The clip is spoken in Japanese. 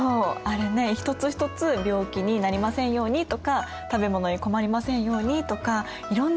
あれね一つ一つ「病気になりませんように」とか「食べ物に困りませんように」とかいろんな意味が込められてたんだよ。